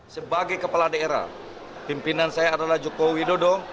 sebagai kepala daerah pimpinan saya adalah joko widodo